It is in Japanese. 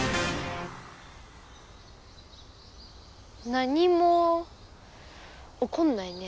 何もおこんないね。